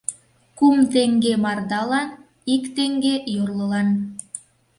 — Кум теҥге — мардалан, ик теҥге — йорлылан.